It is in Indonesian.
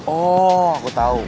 oh aku tau